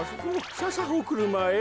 さあさあおくるまへ。